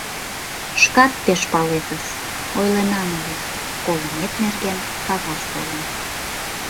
Шкат пеш палетыс, ойленам ыле: колымет нерген кагаз толын.